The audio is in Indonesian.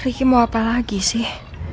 riki mau apa lagi sih